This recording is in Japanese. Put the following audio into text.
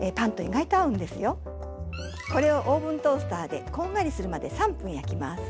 これをオーブントースターでこんがりするまで３分焼きます。